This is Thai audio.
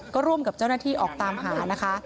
ก็ร่วมกับเจ้าหน้าที่ออกตามหานะคะ